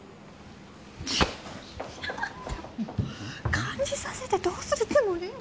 感じさせてどうするつもり？